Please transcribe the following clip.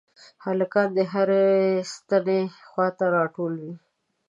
هلکان د هرې ستنې خواته راټول وي.